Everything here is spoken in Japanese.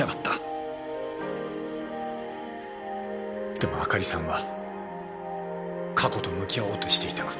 でも朱莉さんは過去と向き合おうとしていた。